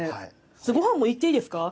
ご飯もいっていいですか？